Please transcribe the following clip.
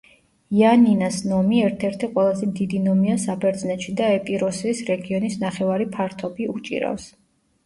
იანინას ნომი ერთ-ერთი ყველაზე დიდი ნომია საბერძნეთში და ეპიროსის რეგიონის ნახევარი ფართობი უჭირავს.